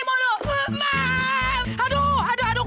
aduh aduh aduh kucing